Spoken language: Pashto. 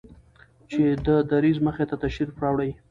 چې د دريځ مخې ته تشریف راوړي